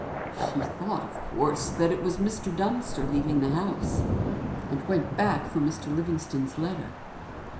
She thought, of course, that it was Mr. Dunster leaving the house; and went back for Mr. Livingstone's letter.